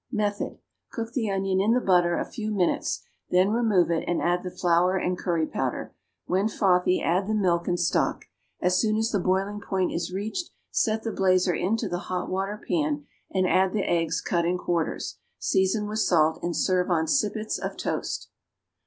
Method. Cook the onion in the butter a few minutes, then remove it and add the flour and curry powder; when frothy add the milk and stock. As soon as the boiling point is reached, set the blazer into the hot water pan and add the eggs cut in quarters. Season with salt and serve on sippets of toast.